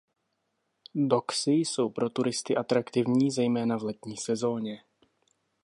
Doksy jsou pro turisty atraktivní zejména v letní sezoně.